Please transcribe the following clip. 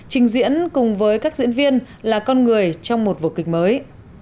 trình diễn cùng với các diễn viên là con người trong một vở kịch mới